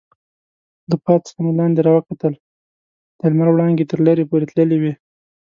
له پاس څخه مې لاندې راوکتل، د لمر وړانګې تر لرې پورې تللې وې.